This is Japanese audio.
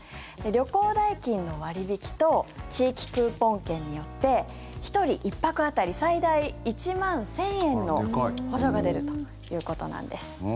旅行代金の割引と地域クーポン券によって１人１泊当たり最大１万１０００円の補助が出るということなんです。